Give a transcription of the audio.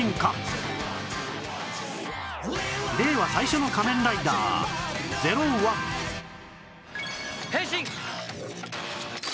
令和最初の『仮面ライダー』変身！